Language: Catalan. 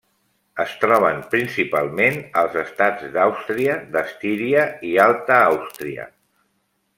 Es troben principalment als estats d'Àustria d'Estíria i Alta Àustria.